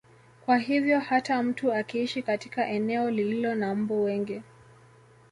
Kwa hivyo hata mtu akiishi katika eneo lililo na mbu wengi